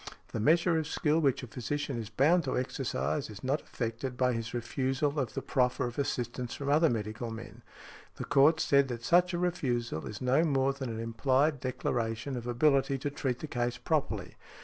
The measure of skill which a physician is bound to exercise is not affected by his refusal of the proffer of assistance from other medical men . The Court said that such a refusal is no more than an implied declaration of ability to treat the case properly.